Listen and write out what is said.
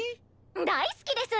「大好きです！